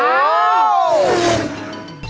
อ้าว